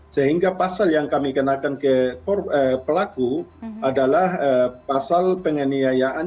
sehingga pasal yang kami kenakan ke pelaku adalah pasal penganiayaan